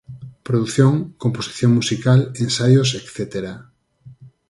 Produción, composición musical, ensaios etcétera.